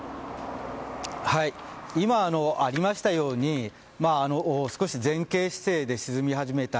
今ありましたように少し前傾姿勢で沈み始めた。